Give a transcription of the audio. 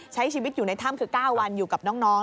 ใช้ชีวิตอยู่ในถ้ำคือ๙วันอยู่กับน้อง